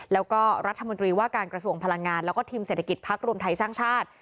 แล้วก็รัฐมนตรีว่าการกระทรวงพลังงานแล้วก็ทีมเศรษฐกิจพักรวมไทยสร้างชาติ